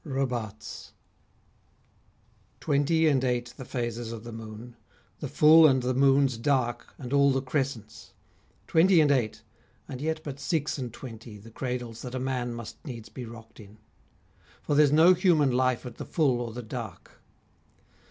ROBARTES Twenty and eight the phases of the moon, The full and the moon's dark and all the crescents, Twenty and eight, and yet but six and twenty The cradles that a man must needs be rocked in: For there's no human life at the full or the dark.